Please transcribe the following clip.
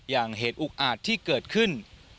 อย่างเหตุอุกอาจที่เกิดขึ้น